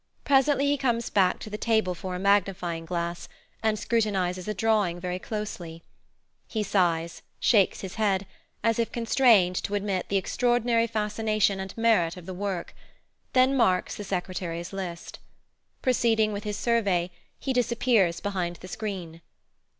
Presently he comes back to the table for a magnifying glass, and scrutinizes a drawing very closely. He sighs; shakes his head, as if constrained to admit the extraordinary fascination and merit of the work; then marks the Secretary's list. Proceeding with his survey, he disappears behind the screen.